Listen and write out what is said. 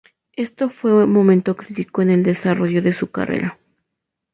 Esto fue momento crítico en el desarrollo de su carrera.